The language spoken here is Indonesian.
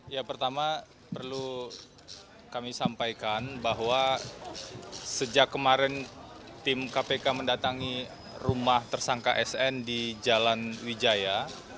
ya pertama perlu kami sampaikan bahwa sejak kemarin tim kpk mendatangi rumah tersangka sn di jalan wijaya